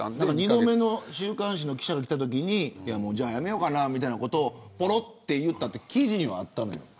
２度目の週刊誌の記者が来たときにじゃあ、辞めようかなということをぽろっと言ったと記事にはあったのよ。